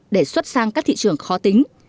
để xuất sang các thị trường khó tính